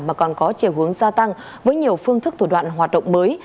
mà còn có chiều hướng gia tăng với nhiều phương thức thủ đoạn hoạt động mới